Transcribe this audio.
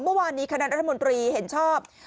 เมื่อวานนี้คณะรัฐมนตรีเห็นชอบ